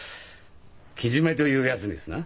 けじめというやつですな？